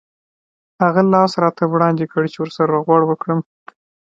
هغه لاس راته وړاندې کړ چې ورسره روغبړ وکړم.